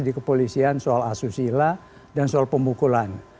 di kepolisian soal asusila dan soal pemukulan